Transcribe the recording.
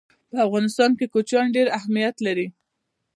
په افغانستان کې کوچیان ډېر اهمیت لري.